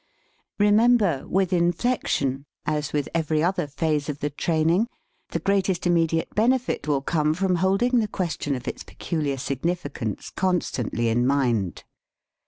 Remember, with inflection, as with every other phase of the training, the greatest im mediate benefit will come from holding the question of its peculiar significance constant ly in mind.